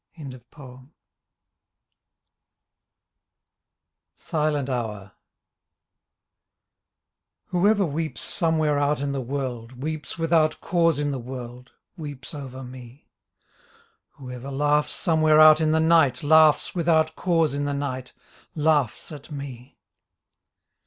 8 SILENT HOUR Whoever weeps somewhere out in the world Weeps without cause in the world Weeps over me. Whoever laughs somewhere out in the night Laughs without cause in the night Laughs at me.